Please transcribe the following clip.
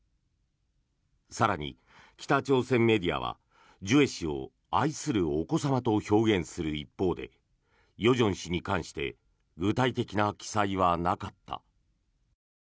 更に、北朝鮮メディアはジュエ氏を愛するお子様と表現する一方で与正氏に関して具体的な記載はなかった。